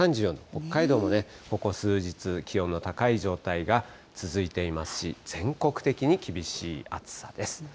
北海道もここ数日、気温の高い状態が続いていますし、全国的に厳しい暑さです。